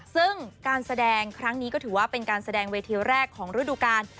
ซึ่งการแสดงครั้งนี้ก็ถือว่าเป็นการแสดงเวทีแรกของฤดูกาล